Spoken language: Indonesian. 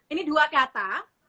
ini dua kata